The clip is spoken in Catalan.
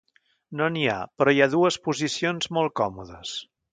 No n'hi ha, però hi ha dues posicions molt còmodes.